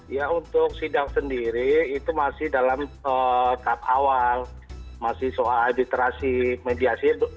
ya untuk sidang sendiri itu masih dalam tahap awal masih soal ebitrasi mediasi